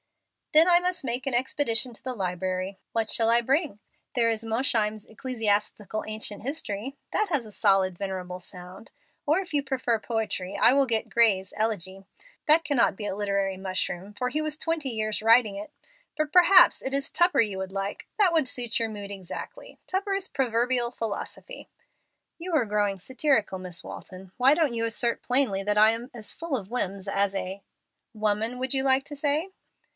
"Then I must make an expedition to the library. What shall I bring? There is Mosheim's 'Ecclesiastical Ancient History'; that has a solid, venerable sound. Or, if you prefer poetry, I will get Gray's 'Elegy.' That cannot be a literary mushroom, for he was twenty years writing it. But perhaps it is Tupper you would like. That would suit your mood exactly, Tupper's 'Proverbial Philosophy.'" "You are growing satirical, Miss Walton. Why don't you assert plainly that I am as full of whims as a " "Woman, would you like to say?"